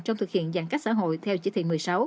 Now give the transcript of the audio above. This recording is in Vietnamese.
trong thực hiện giãn cách xã hội theo chỉ thị một mươi sáu